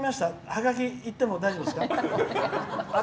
ハガキいっても大丈夫ですか？